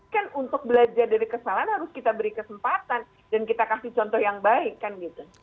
kan untuk belajar dari kesalahan harus kita beri kesempatan dan kita kasih contoh yang baik kan gitu